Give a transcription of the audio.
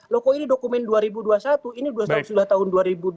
loh kok ini dokumen dua ribu dua puluh satu ini sudah tahun dua ribu dua puluh